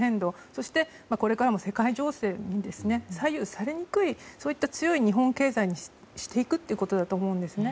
そして、これからの世界情勢に左右されにくいそういった強い日本経済にしていくということだと思います。